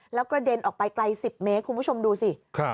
แล้วกระเด็นออกไปไกล๑๐เมตรคุณผู้ชมดูสิ